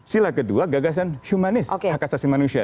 sila kedua gagasan humanis hak asasi manusia